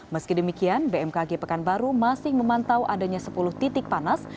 meski demikian bmkg pekanbaru masih memantau adanya sepuluh titik panas